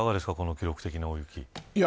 この記録的な大雪。